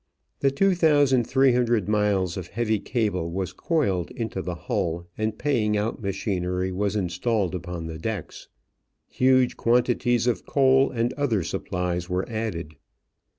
The 2,300 miles of heavy cable was coiled into the hull and paying out machinery was installed upon the decks. Huge quantities of coal and other supplies were added.